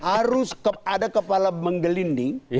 harus ada kepala menggelinding